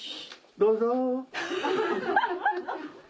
どうぞ。